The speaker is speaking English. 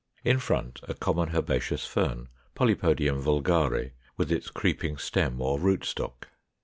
In front a common herbaceous Fern (Polypodium vulgare) with its creeping stem or rootstock.